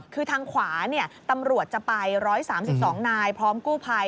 คือทางขวาตำรวจจะไป๑๓๒นายพร้อมกู้ภัย